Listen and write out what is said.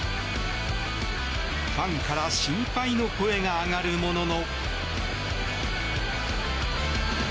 ファンから心配の声が上がるものの。